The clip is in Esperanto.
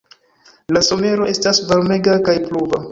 La somero estas varmega kaj pluva.